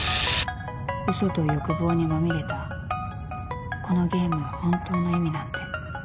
［嘘と欲望にまみれたこのゲームの本当の意味なんて］